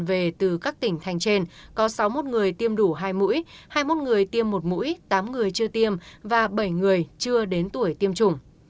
về từ các tỉnh thành trên có sáu mươi một người tiêm đủ hai mũi hai mươi một người tiêm một mũi tám người chưa tiêm và bảy người chưa đến tuổi tiêm chủng